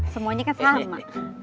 semuanya kan sama